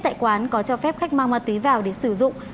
tại quán có cho phép khách mang ma túy vào để sử dụng